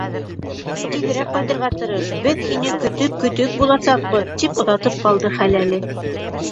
Һин тиҙерәк ҡайтырға тырыш, беҙ һине көтөп көтөк буласаҡбыҙ, тип оҙатып ҡалды хәләле.